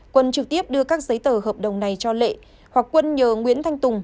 quân trực tiếp đưa các giấy tờ hợp đồng này cho lệ hoặc quân nhờ nguyễn thanh tùng